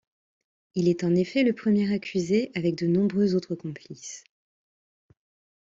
Il est en effet le premier accusé, avec de nombreux autres complices.